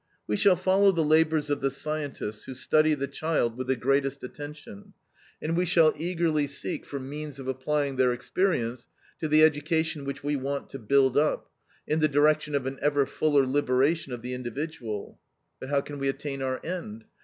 "We shall follow the labors of the scientists who study the child with the greatest attention, and we shall eagerly seek for means of applying their experience to the education which we want to build up, in the direction of an ever fuller liberation of the individual. But how can we attain our end?